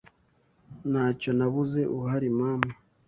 ntacyo nabuze uhari mama ”